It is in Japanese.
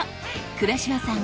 倉嶋さん